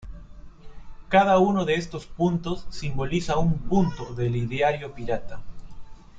Cada uno de estos puntos simboliza un punto del Ideario Pirata.